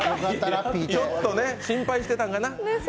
ちょっと心配してたんかな。